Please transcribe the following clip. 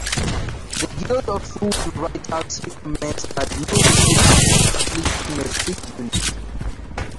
The Guild of Food Writers recommends that new recipes be published in metric units.